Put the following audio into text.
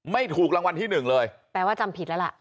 ไม่ถูกรางวัลที่หนึ่งเลยแปลว่าจำผิดแล้วล่ะ